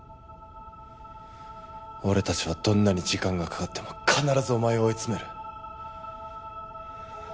俺たちはどんなに時間がかかっても必ずおまえを追い詰める。